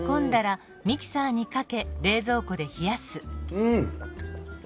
うん！